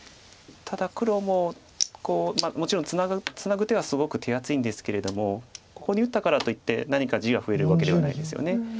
ただ黒もこうもちろんツナぐ手はすごく手厚いんですけれどもここに打ったからといって何か地が増えるわけではないですよね。